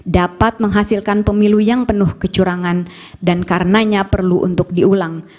dapat menghasilkan pemilu yang penuh kecurangan dan karenanya perlu untuk diulang